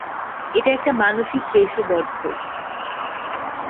এটা একটা মানসিক প্রেষবর্ধক।